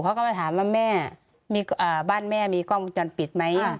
เขาก็มาถามว่าแม่บ้านแม่มีกล้องวงจรปิดไหม